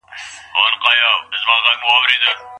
ايا غير مسلمان منځګړيتوب کولای سي؟